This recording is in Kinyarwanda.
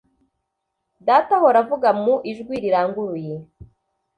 data ahora avuga mu ijwi riranguruye